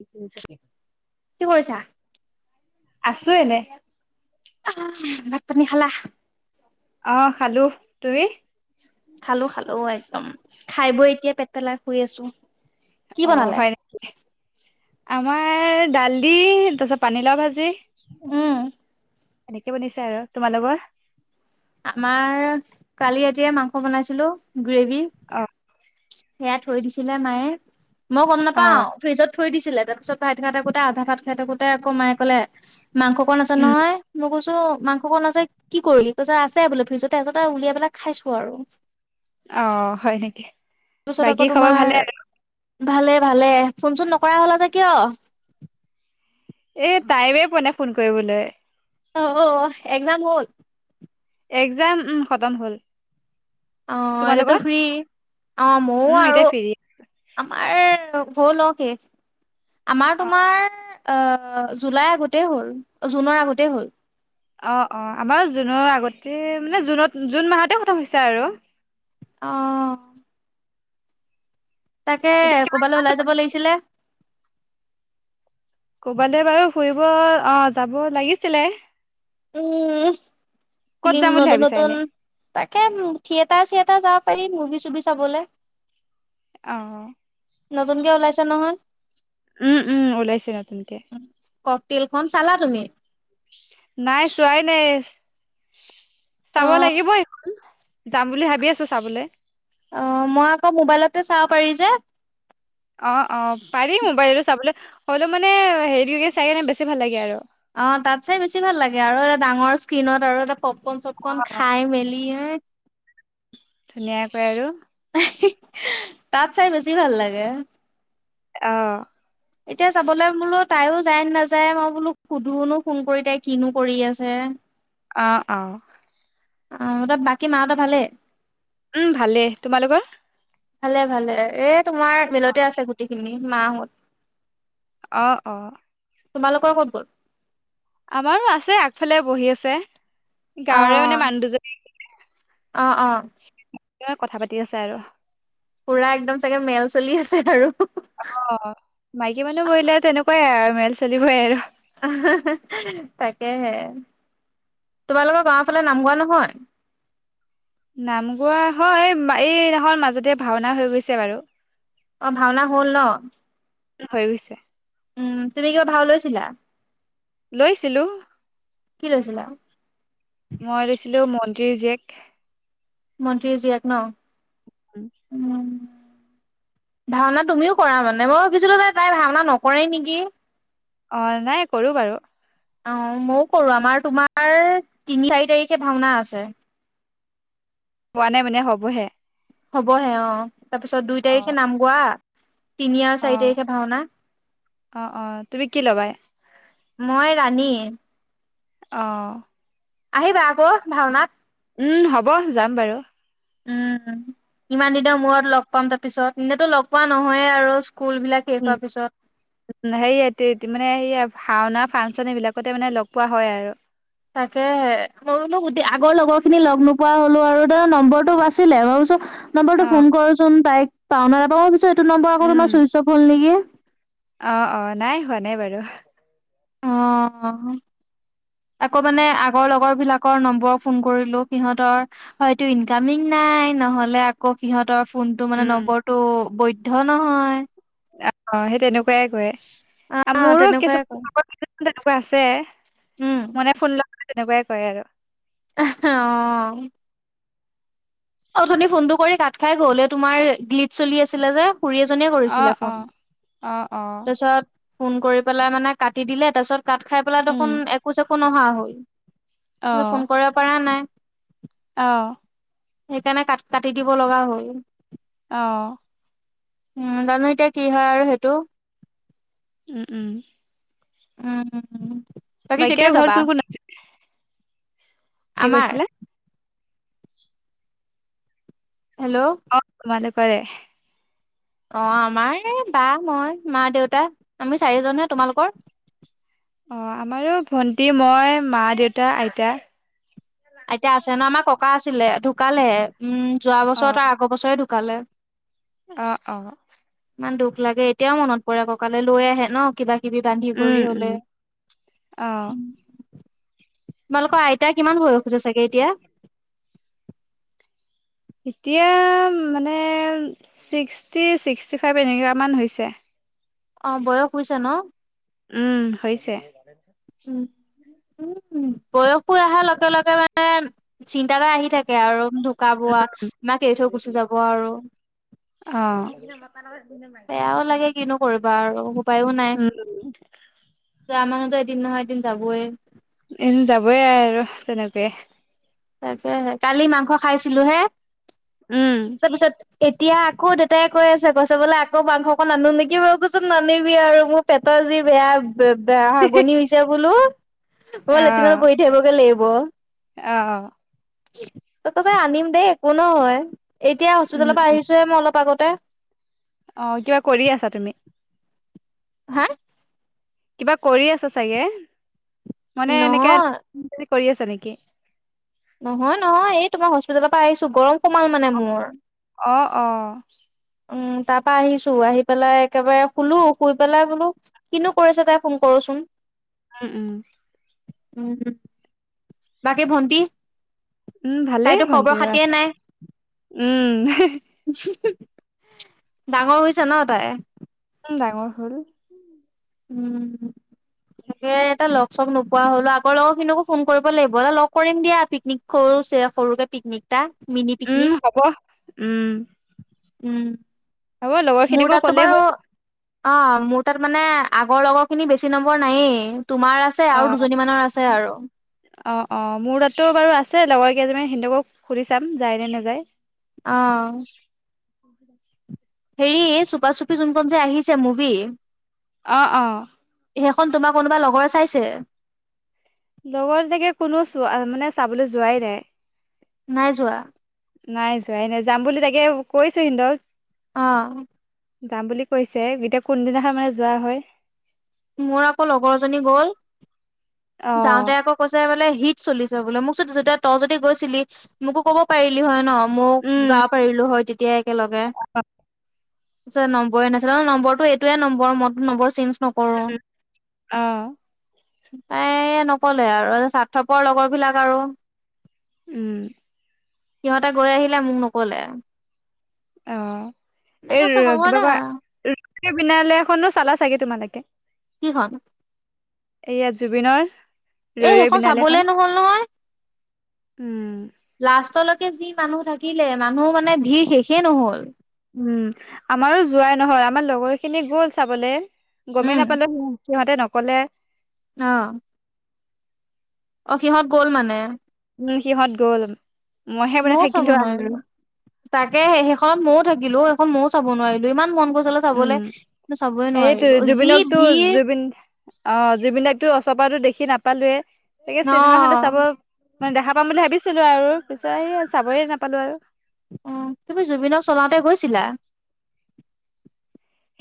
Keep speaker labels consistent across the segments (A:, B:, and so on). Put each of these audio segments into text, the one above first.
A: [unintelligible]
B: কি কৰিছা?
A: আছো এনে
B: ভাত-পানী খালা?
A: আহ খালো তুমি?
B: খালোঁ - খালোঁ, একদম। খাই বৈ এতিয়া পেট পেলাই শুই আছোঁ।
A: অহ হয় নেকি? আমাৰ দাল দি, তাৰ পিছত পানীলাও ভাজি।
B: উম
A: এনেকে বনিছে আৰু। তোমালোকৰ?
B: আমাৰ কালিয়েজিয়ে মাংস বনাইছিলো গ্ৰেভি
A: অ
B: সেয়া থৈ দিছিলে মায়ে। মই গম
A: অ
B: নাপাওঁ। ফ্ৰিজত থৈ দিছিলে। তাৰপিছত ভাইটিহঁত থাকোঁতে, আধা ভাত খাই থাকোঁতে আকৌ মায়ে ক'লে মাংস অকন আছে
A: উম
B: নহয়। মই কৈছোঁ মাংস অকন আছে, কি কৰিলি তাৰপিছত আছে বোলো ফ্ৰিজতে আছে তাৰপিছতে উলিয়াই পেলাই খাইছো আৰু।
A: অ' হয় নেকি?
B: তাৰপিছত আকৌ
A: বাকী খবৰ
B: তোমাৰ
A: ভালে আৰু?
B: ভালে -ভালে, ফোন- চোন নকৰা হলা যে কিয়?
A: এ তাইমে পোৱা নাই ফোন কৰিবলৈ।
B: ঔ', এগজাম হল
A: একজাম উম খতম হ'ল।
B: অ এয়াতো
A: তোমালোকৰ
B: ফ্ৰী, অ ময়ো
A: উম
B: আৰু
A: এতিয়া ফ্ৰী
B: আমাৰ ল হল অ শেষ, আমাৰ
A: অ
B: তোমাৰ আ জুলাই আগতেই হ'ল জুনৰ আগতেই হ'ল।
A: অ অ আমাৰ জুনৰ আগতে মানে জুনত জুন মাহতে খতম হৈছে আৰু।
B: অ। তাকে
A: এতিয়া কিমান
B: কবালৈ
A: ক্লাছ
B: ওলাই
A: হ'ব
B: যাব লাগিছিলে।
A: ক'বালৈ বাৰু ফুৰিব অ যাব লাগিছিলে?
B: উম
A: ক'ত
B: ফিল্ম
A: যাম বুলি
B: নতুন
A: ভাবিছা
B: নতুন
A: এনে
B: তাকেতো থিয়েটাৰ চিয়েটাৰ যাব পাৰি মুভি চুভি চাবলে।
A: অ
B: নতুনকে ওলাইছে নহয়।
A: উম উম ওলাইছে নতুনকে
B: ককটেলখন চালা তুমি
A: নাই চোৱাই নাই
B: অ
A: চাব লাগিব এইখন যাম বুলি ভাবি আছো চাবলৈ?
B: অ মই আকৌ মোবাইলতে চাব পাৰি যে?
A: অ অ পাৰি মোবাইলো চাবলৈ হ'লেও মানে হেৰি চাই কিনে বেছি ভাল লাগে আৰু
B: অ তাত চাই বেছি ভাল লাগে আৰু এটা ডাঙৰ স্ক্ৰিনত আৰু এটা পপকৰ্ণ চপকৰ্ণ
A: অ
B: খাই মেলি
A: ধুনীয়াকৈ আৰু।
B: তাত চাই বেছি ভাল লাগে
A: অ।
B: এতিয়া যাবলৈ বোলো তাইও যায় নাযায় মই বোলো সুধু ফোন কৰি তাই কিনো কৰি আছে
A: অ অ।
B: আ বাকী মাঁহতৰ ভালেই?
A: উম ভালেই, তোমালোকৰ?
B: ভালে ভালে এ তোমাৰ মিলতে আছে গোটেইখিনি মাঁহত
A: অ অ।
B: তোমালোকৰ ক'ত গ'ল?
A: আমাৰো আছে আগফালে বহি আছে
B: অ
A: গাঁৱৰে মানে মানুহ দুজনী আহিছে।
B: অ অ
A: পুৰা কথা পাতি আছে আৰু
B: পুৰা একদম চাগে মেল চলি আছে আৰু।
A: অ মাইকী মানুহ বহিলে তেনেকুৱাই আৰু মেল চলিবই আৰু।
B: আ হা হে হে তাকেহে। তোমালোকৰ গাঁৱৰ ফালে নাম গোৱা নহয়?
A: নাম গোৱা হয়, এইদিনাখন মাজতে ভাওনা হৈ গৈছে বাৰু।
B: অ ভাওনা হল ন
A: হৈ গৈছে
B: উম তুমি কি ভাও লৈছিলা
A: লৈছিলো
B: কি লৈছিলা
A: মই লৈছিলো মন্তিৰ জীয়েক
B: মন্ত্ৰী জীয়েক ন।
A: উম
B: ভাওনা তুমিও কৰা মানে, মই ভাবিছিলো যে তাই ভাওনা নকৰেই নেকি?
A: অ নাই কৰো বাৰু।
B: অ ময়ো কৰো, আমাৰ তোমাৰ তিনি চাৰি তাৰিখে ভাওনা আছে। [inaudible]
A: হোৱা নাই মানে হ'বহে।
B: হ'বহে অ তাৰ পিছত দুই
A: অ
B: তাৰিখে নাম গোৱা তিনি আৰু
A: অ
B: চাৰি তাৰিখে ভাওনা।
A: অ অ তুমি কি ল'বা?
B: মই [unintelligible]
A: অ।
B: আহিবা আকৌ ভাওনাত
A: উম হ'ব যাম বাৰু
B: উম, ইমান দিনৰ মূৰত লগ পাম তাৰপিছত। এনেতো লগ পোৱা নহয়ে আৰু স্কুল বিলাক শেষ
A: উ
B: হোৱাৰ পিছত
A: সেয়া মানে সেয়া ভাওনা ফান আচনী বিলাকতে মানে লগ পোৱা হয় আৰু
B: তাকেহে। মই বোলো গোটে আগৰ লগৰখিনি লগ নোপোৱা হ'লোঁ আৰু তো নম্বৰটো আছিলে। মই ভাবিছোঁ নম্বৰটো
A: অ
B: ফোন কৰোচোন তাইক পও নে নেপাওঁ পিছো এইটো নম্বৰ
A: উম
B: আকৌ চোইচঅফ হল নেকি
A: অ অ নাই হোৱা নাই বাৰু
B: অহ আকৌ মানে আগৰ লগৰ বিলাকৰ নম্বৰ ফোন কৰিলো সিহতৰ হয়তো ইনকামিং নাই নাই নহলে আকৌ সিহঁতৰ ফোনটো মানে
A: উম
B: নম্বৰটো বৈধ নহয়
A: অ সেই তেনেকুৱা খুৰাই
B: অ
A: কৰে মোৰো
B: তেনেকুৱাই কয়
A: কিছুমান লগৰ তেনেকুৱা আছে
B: উম
A: মনে ফোন লগ [inaudible] তেনেকুৱাই কৰে আৰু।
B: অহ অথুনি ফোনটো কৰি কাত খাই ঘৰলে তোমাৰ গ্লিড চলি আছিলে যে খুৰী এজনীয়ে
A: অ
B: কৰিছিলে
A: অ
B: ফোন।
A: অ অ
B: তাৰছত ফোন কৰি পেলাই মানে কাটি দিলে তাৰ পিছত কাট খাই পেলাই
A: উম
B: দেখোন একো চেকো নহা হল মোলে ফোন কৰিব পৰা নাই।
A: আহ
B: সেইকাৰণে কাট কাটি দিব লগা হল
A: অহ্
B: উম জানো এতিয়া কি হয় আৰু সেইটো
A: উম - উম।
B: উম উম উম
A: বাইকিয় ঘৰ কোন কোন আছিলে কি
B: আমাৰ
A: কৈছিলা
B: হেল্ল'?
A: কৰে
B: অ আমাৰ বা, মই, মা দেউতা আমি চাৰিজনহে তোমালোকৰ
A: অ আমাৰো ভন্টি, মই, মা দেউতা, আইতা
B: আইতা আছে ন আমাৰ ককা আছিলে ঢুকালে উম যোৱা বছৰত আগৰ বছৰে ঢু কালে
A: অ অ
B: ইমান দুখ লাগে এতিয়াও মনত পৰে ককালৈ লৈ আহে ন কিবা কিবি বান্ধি
A: উম
B: কৰি
A: উম
B: হ'লে।
A: অ
B: তোমালোকৰ আইতা কিমান বয়স হৈছে চাগে এতিয়া
A: এতিয়া মানে ছিক্সটি ছিক্সটি ফাইভ এনেগান হৈছে
B: অ' বয়স হৈছে ন'?
A: উম হৈছে।
B: উম, উম। বয়স হৈ আহাৰ লগে - লগে মানে চি তা আহি থাকে আৰু ঢুক বোৱা মাক এৰি থৈ গুচি যাব আৰু
A: অ
B: বেয়াও লাগে
A: [inaudible]
B: কিনো কৰিবা আৰু উপায়ো নাই
A: উম [inaudible]
B: দিন নহয়, এদিন যাবয়ে।
A: এনে যাবয়ে আৰু তেনেকে।
B: তাকে কালি মাংস খাইছিলো হে
A: উম
B: তাৰপিছত এতিয়া আকৌ দেউেতাই কৈ আছে কৈছে বোলে আকৌ মাংসক আকন নেকি বাৰু মই কৈচো নানিবি আৰু মোৰ পেটত যি বেয়া বেয়া হাগনি হৈছে বোলো মই
A: অ
B: লেত্ৰিনত বহি থাকিবগে লাগিব।
A: অ
B: তোক কৈছো আনিম দেই একো নহয়, এতিয়া
A: উম
B: হস্পিতালৰ পৰা
A: উম
B: আহিছোহে মই অলপ আগত তোৰ
A: অ, কিবা কৰি আছা তুমি?
B: হাঁ
A: কিবা কৰি আছা চাগে? মানে এনেকে
B: নহয়।
A: কৰি আছা নেকি?
B: নহয়, নহয় এই তোমাৰ হস্পিতেলৰপা আহিছোঁ। গৰম সোমাল মানে মোৰ
A: অ, অ।
B: উম, তাপা আহিছো। আহি পেলাই একেবাৰে শুলো শুই পেলাই বোলো কিনো কৰিছে তাই ফোন কৰো। চোন
A: ও উম।
B: উম, বাকি ভন্টি
A: উম ভালেই
B: তাইটো খবৰ
A: ভন্টিৰ
B: -খাতিয়ে নাই
A: উম
B: ডাঙৰ হৈছে ন' তাই।
A: উম ডাঙৰ হ'ল।
B: উম, তাকে তাই লগ- চগ নোপোৱা হ'ল। ল আগৰ লগৰ খিনিকো ফোন কৰিব লাগিব। এবা লগ কৰিম দিয়া। পিকনিক কৰোদে সৰুকে পিকনিক এটা। মিনি
A: উম
B: পিকনিক
A: হ'ব। উম
B: উম
A: হ'ব লগৰ
B: মোৰ
A: খিনিকো
B: তাতো
A: ক'লেই
B: বাৰু
A: হ'ল
B: অ' মোৰ তাত মানে, আগৰ লগৰ খিনিৰ বেছি নম্বৰ নায়েই। তোমাৰ আছে
A: অ
B: আৰু দুজনী মানৰ আছে আৰু।
A: সেই লগৰ কেইজনি মান হেঁতকো সুধি চাম। যায় নে নাযায়?
B: আ হেৰি, চুপা-চুপি যোন খন যে আহিছে মুভি
A: অ', অ'
B: সেইখন তোমাৰ কোনোবা লগৰে চাইছে?
A: লগৰ এনেকে কোনো চোৱা মানে চাবলৈ যোৱাই নাই।
B: নাই যোৱা।
A: নাই, যোৱাই নাই। যাম বুলি তাকে কৈছে ইন্দ্ৰক।
B: অ'
A: যাম বুলি কৈছে। কেতিয়া কোনদিনাখনে যোৱা হয়।
B: মোৰ আকৌ লগৰজনী গ'ল
A: অ
B: যাওঁতে আকৌ কৈছে বোলে হিট চলিছে বোলে। মোক চো--যেতিয়া ত- যদি গৈছিলি মোকো ক'ব পাৰিলি হয় ন'। মোক,
A: উম
B: যাব পাৰিলো হয় তেতিয়া একেলগে। পিছে নম্বৰে নাছিলে। অ', নম্বৰটো এইটোয়ে নম্বৰ ম নম্বৰ চেইজ্ঞ নক্‌
A: এইটো। অ'-
B: তাই ন'কলে আৰু। স্বাৰ্থপৰ লগৰ বিলাক আৰু
A: উম।
B: সিহঁতে গৈ আহিলে। মোক নক'লে আও।
A: অ', এই
B: হ'ব
A: ৰ--কিবা
B: দে
A: কয়,
B: আৰু
A: ৰৈ ৰৈ বিনালেখনো চালা চাগে তোমালোকে?
B: কি খন?
A: এইয়া জুবিনৰ ৰৈ
B: এই
A: ৰৈ
B: সেইখন চাবলে
A: বিনালেখন
B: নহ'ল নহয়,
A: উম
B: লাষ্টলৈকে যিম মানুহ থাকিলে। মানুহ মানে ভিৰ শেষেই নহ'ল।
A: উম, আমাৰো যোৱাই নহ'ল। আমাৰ লগৰ খিনি গ'ল চাবলে। গমেই
B: উম
A: নাপালোঁ। সিহঁতে নক'লে।
B: অ' অ', সিহঁত গ'ল মানে।
A: উ সিহঁত গ'ল। মইহে মানে
B: ময়ও চাব
A: থাকিলো আৰু
B: নোৱাৰিলো তাকে সেইখন ময়ও থাকিলো সেইখন ময়ো চাব নোৱাৰিলো ইমান মন গৈছিলে
A: উম
B: চাবলে, কিন্ত চাবই
A: সেইটো
B: নোৱাৰিলো। যি
A: জুবিনকতো
B: ভিৰ।
A: জুবিন অ জুবিনদাকতো ওচপাতো দেখি নাপালোৱে তাকে
B: অ
A: চিনেমা খনতে চাব মানে দেখা পাম বুলি ভাবিছিলো আৰু পিছেত চাবই নাপালো আৰু।
B: আহ তুমি জুবিনক চলাওঁতে গৈছিলা?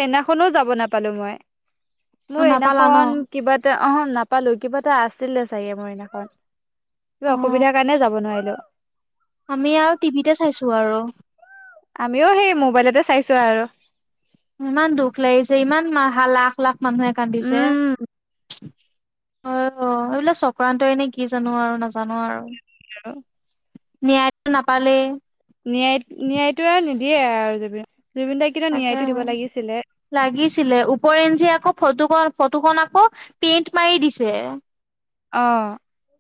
A: সেইদিনা খন ও যাব নেপালো মই। মোৰ সেই
B: নাপালা ন
A: দিনাখন কিবা এটা অ নাপালো কিবা এটা আছিল দে চাগে মৰিনাখন।
B: অ
A: কিবা অসুবিধাৰ কাৰণে যাব নোৱাৰিলো।
B: আমি আৰু টিভিতে চাইছো আৰু।
A: আমিও সেই মোবাইলতে চাইছো আৰু।
B: ইমান দুখ লাগিছে ইমানা লাখ লাখ মানুহে কান্দিছে। অ এইবোলে চক্ৰান্তই এনে কি জানো আৰু নাজানো আৰু।
A: [inaudible]
B: ন্যায়টো নাপালে।
A: ন্যায় ন্যায়টো আৰু নিদিয়ে আৰু জুবিন। জুবিন দাই কিন্তু
B: তাকে
A: ন্যায়টো দিব লাগিছিলে
B: লাগিছিলে উপৰেঞ্চি আকৌ। ফটোখন ফটোখন আকৌ পেইন্ট মাৰি দিছে।
A: অ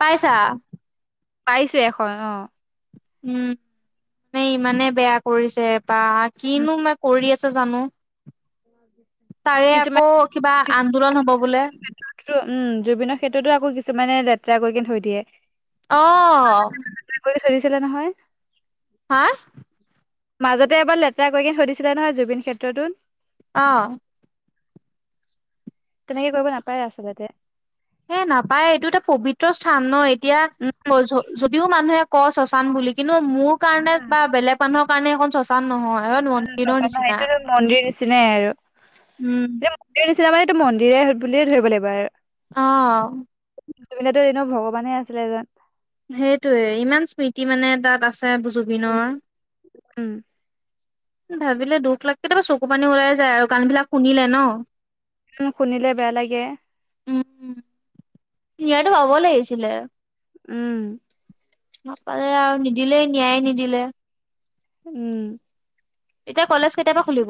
B: পাইছা।
A: পাইছে এখন অ।
B: উম মানে ইমানে বেয়া কৰিছে এপাহ
A: উম,
B: কিনো মই কৰি আ জানো তাৰে
A: কিছুমান
B: আকৌ কিবা আন্দোলন হব বোলে।
A: উম জুবিনৰ ক্ষেত্ৰতো আকৌ কিছুমানে লেতেৰা কৰিকে থৈ দিয়ে।
B: অহ।
A: চলিছিলে নহয়। মাজতে এবাৰ লেতেৰা কৰিকনে থৈদিছিলে নহয় জুবিন ক্ষেত্ৰতত।
B: অহ।
A: তেনেকে কৰিব নাপায় আচলতে।
B: হে নাপায় এইটো এটা পবিত্ৰ স্থান ন এতিয়া
A: উম
B: যদিও মানুহে ক শশান বুলি কিন্তু মোৰ কাৰণে বা বেলেগ মানুহৰ কাৰণে এখন শশান নহয়। এখন মন্দিৰৰ
A: উচা নয়
B: নিচিনা
A: এইটো মন্দিৰ নিচিনাই আৰু
B: উম
A: মন্দিৰ। চিনেমাৰ এইটো মন্দিৰৰে হ বুলিয়ে ধৰিব লাগিব আৰু।
B: অহ।
A: জুবিনেটো এনেও ভগৱানে আছিলে এজন।
B: সেইটোয়ে ইমান স্মৃতি মানে তাত আছে
A: উম
B: জুবিনৰ।
A: উম
B: ভাবিলে দুখ লাগ কেতিয়াবা চকু পানী ওলাই যায় আৰু গান বিলাক শুনিলে ন।
A: উম শুনিলে বেয়া লাগে।
B: ন্যায়টো পাব লাগিছিলে।
A: উম।
B: নাপালে আৰু নিদিলেই ন্যায় নিদিলে।
A: উম।
B: এতিয়া কলেজ কেইতিয়াপা খুলিব?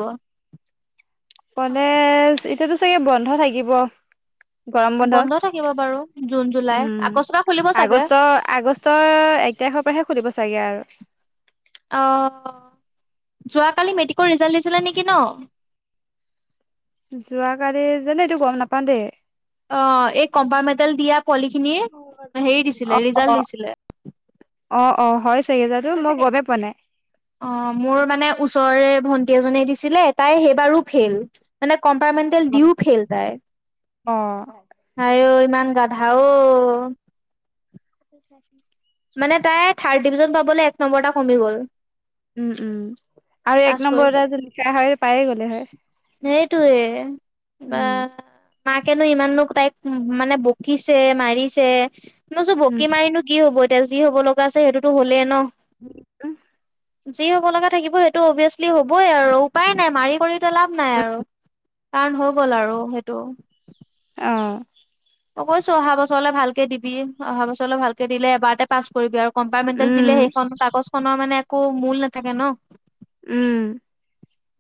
A: কলেজ এতিয়াতো চাগে বন্ধ থাকিব। গৰম বন্ধ
B: থাকিব বাৰু জুন জুলাই আগষ্টৰ পৰা খুলিব
A: উম
B: চাগে
A: আগষ্ট আগষ্টৰ তেহৰ পৰাহে সুধিব চাগে আৰু।
B: অ। যোৱাকালি মেট্ৰিকৰ ৰিজাল্ট দিছিলে নেকি ন?
A: যোৱাকালি যোনে এইটো গম নাপাওঁ দেই।
B: অ এই কম্পাৰমেটেল দিয়া পোৱালিখিনি হেৰি
A: অ
B: দিছিলে
A: অ
B: ৰিজাল্ট দিছিলে।
A: অ অ হয় চাগজো মই গমেই পোৱা নাই।
B: অ মোৰ মানে ওচৰৰেৰে ভন্টি এজননে দিছিলে তাই সেই বাৰু ফেইল মানে কম্পাৰ্টমেণ্টত দিওঁ ফেল
A: অ
B: আঐ ইমান গাধা অ
A: আ [unintelligible]
B: মানে তাই থাৰ্ড ডিভিজন পাবলৈ এক নম্বৰ এটা কমি গ'ল
A: উম উম আৰু
B: পাছ
A: এক নম্বৰ এটা যে লিখা হয় পায়ে গ'লি হয়
B: সেইটোয়ে বা
A: উম
B: মাকেনো ইমাননো তাইক মানে বকিছে মাৰিছে নই চো
A: উম
B: বকী মাৰিনো কি হ'ব এতিয়া যি হ'ব লগা আছে সেইটোতো হ'লেই ন
A: [inaudible]
B: যি হ'ব লগা থাকিব সেইটো অভিয়াচলি হ'বই আৰু উপায় নাই মাৰি কৰিতো লাভ নাই আৰু কাম হৈ গ'ল আৰু সেইটো
A: অঁ।
B: অই কৈছো অহা বছৰলৈ ভালকে দিবি অহা বছৰলৈ ভালকে দিলে এবাৰতে পাছ কৰিবি আৰু কম্পাৰমেণ্টেল
A: উম
B: দিলে সেইখন কাগজ খনৰ মানে একো মূল নাথাকে ন
A: উম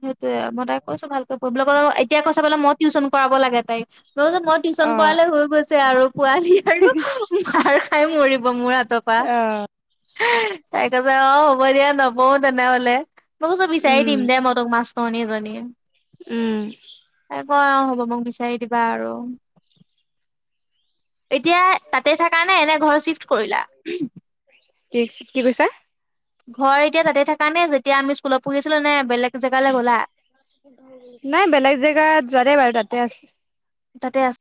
B: সেইটোয়ে মই তাই কৈছো ভালকৈ পঢ়িবলে এতিয়া কৈচা পাললে মই টিউচন কৰাব লাগে তাইক ম মই টিউশচন
A: অ
B: কৰালে হৈ গৈছে আৰু পোৱালি আৰু মাৰ খাই মৰিব মোৰ হাত
A: অহ
B: তাই কৈছে অ হ'ব দিয়া নবওঁ তেনেহলে মই কৈছো বিচাৰি
A: উম
B: দিম দে মই তোক মাছ এজনী কৈ এজনী
A: উম।
B: অঁ হ'ব মোক বিচাৰি দিবা আৰু এতিয়া তাতে থকা নে এনে ঘৰ চিফ্ট কৰিলা
A: কি কি কৈছা
B: ঘৰ এতিয়া তাতে থাক নে যেতিয়া আমি স্কুলত পঢ়িছিলো নে বেলেগ জেগালৈ গ'লা
A: নাই বেলেগ জেগাত যোৱাতে বাৰু তাতে আছে
B: তাতে আছে